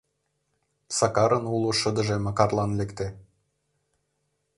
Сакарын уло шыдыже Макарлан лекте.